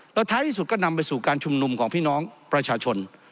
แล้วท้ายที่สุดก็นำไปสู่การชุมนุมของพี่น้องประชาชน